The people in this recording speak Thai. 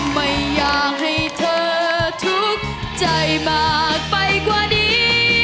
ไม่อยากให้เธอทุกข์ใจมากไปกว่านี้